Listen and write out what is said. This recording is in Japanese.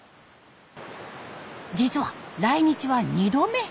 実は来日は２度目。